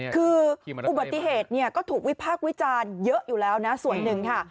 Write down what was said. คืออุบัติเหตุเนี่ยก็ถูกวิพากษ์วิจารณ์เยอะอยู่แล้วนะส่วนหนึ่งค่ะ